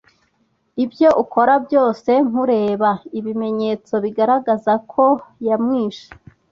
Ibyo ukora byose nukureba ibimenyetso bigaragaza koyamwishe.